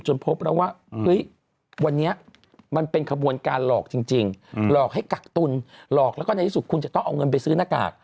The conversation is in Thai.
พบแล้วว่าเฮ้ยวันนี้มันเป็นขบวนการหลอกจริงหลอกให้กักตุลหลอกแล้วก็ในที่สุดคุณจะต้องเอาเงินไปซื้อหน้ากาก